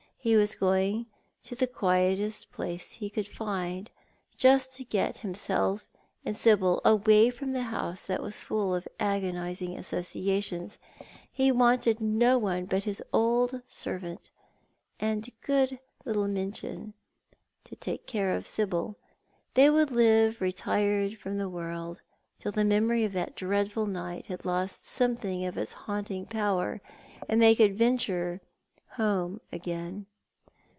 He was going to the quietest place he could find, just to get himself and Sibyl away from the house that was full of agonising associations. He wanted no one but his old servant, and good little Minchin to take care of Sibyl. They would live retired from the world, till the memory of that dreadful night had lost something of its haunting power, and they could venture home again.